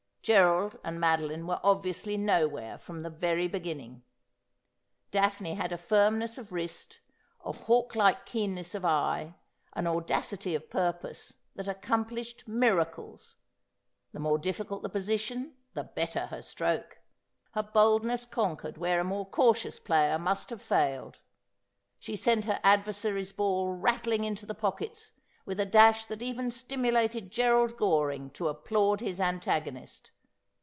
Gerald and Madoline were ob viously nowhere, from the very beginning. Daphne had a firm ness of wrist, a hawklike keenness of eye, an audacity of purpose that accomplished miracles. The more difficult the position the better her stroke. Her boldness conquered where a more cau tious player must have failed. She sent her adversaries' ball rattling into the pockets with a dash that even stimulated Gerald Goring to applaud his antagonist.